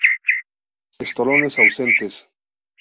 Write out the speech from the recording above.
Estolones ausentes.